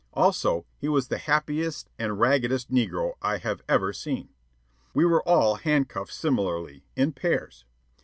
Also, he was the happiest and the raggedest negro I have ever seen. We were all handcuffed similarly, in pairs.